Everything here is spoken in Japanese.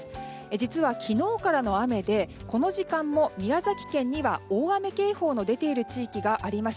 実は昨日からの雨で、この時間も宮崎県には大雨警報の出ている地域があります。